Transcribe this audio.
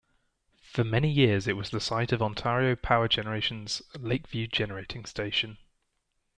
For many years it was the site of Ontario Power Generation's Lakeview Generating Station.